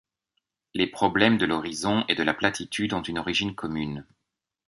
Les problèmes de l’horizon et de la platitude ont une origine commune.